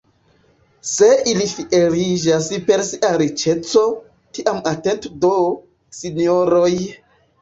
Se ili fieriĝas per sia riĉeco, tiam atendu do, sinjoroj!